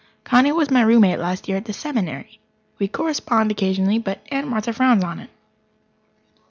Connie was my roommate last year at the Seminary. We correspond occasionally, but Aunt Martha frowns on it.